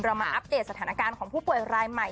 มาอัปเดตสถานการณ์ของผู้ป่วยรายใหม่